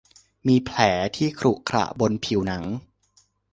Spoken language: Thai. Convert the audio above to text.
มีแผลที่ขรุขระบนผิวหนัง